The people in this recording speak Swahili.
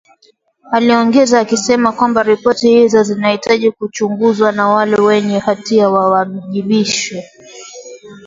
aliongeza akisema kwamba ripoti hizo zinahitaji kuchunguzwa na wale wenye hatia wawajibishwe